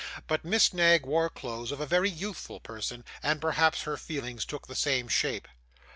But Miss Knag wore clothes of a very youthful pattern, and perhaps her feelings took the same shape.